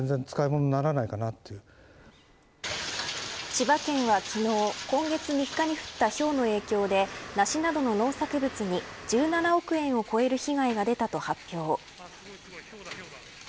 千葉県は昨日、今月３日に降ったひょうの影響で梨などの農作物に１７億円を超える被害が出たと発表。